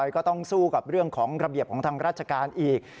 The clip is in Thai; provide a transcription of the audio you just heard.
ก็ต้องสู้กับเรื่องของระเบียบของทางราชการอีก